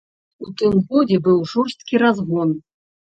У тым годзе быў жорсткі разгон.